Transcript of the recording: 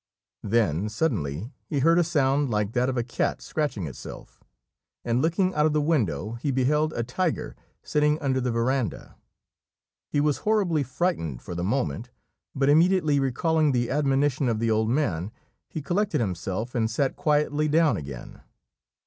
Then suddenly he heard a sound like that of a cat scratching itself; and, looking out of the window, he beheld a tiger sitting under the verandah. He was horribly frightened for the moment, but immediately recalling the admonition of the old man, he collected himself and sat quietly down again.